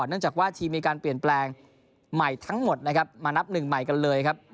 เนื่องจากว่าทีมมีการเปลี่ยนแปลงใหม่ทั้งหมดนะครับมานับหนึ่งใหม่กันเลยครับ